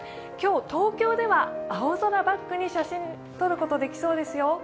今日、東京では青空をバックに写真を撮ることができそうですよ。